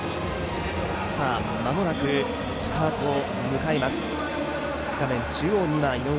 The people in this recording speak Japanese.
間もなくスタートを迎えます。